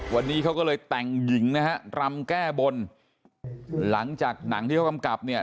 วันนี้เขาก็เลยแต่งหญิงนะฮะรำแก้บนหลังจากหนังที่เขากำกับเนี่ย